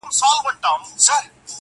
څوك به ژاړي په كېږديو كي نكلونه!